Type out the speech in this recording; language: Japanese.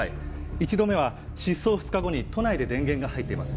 １度目は失踪２日後に都内で電源が入っています。